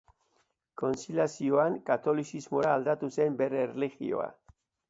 Kontzilioan katolizismora aldatu zen bere erlijioa.